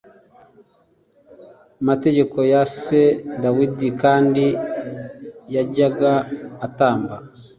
mategeko ya se Dawidi kandi yajyaga atamba